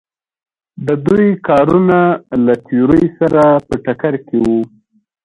د دوی کارونه له تیورۍ سره په ټکر کې وو.